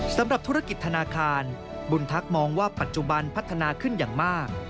สำหรับธุรกิจธนาคารบุญทักษ์มองว่าปัจจุบันพัฒนาขึ้นอย่างมาก